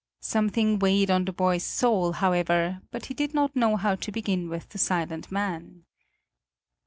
Something weighed on the boy's soul, however, but he did not know how to begin with the silent man.